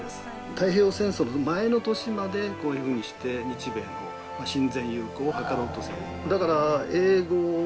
太平洋戦争の前の年までこういうふうにして日米の親善友好を図ろうとする。